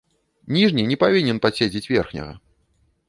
Ніжні не павінен падседзець верхняга.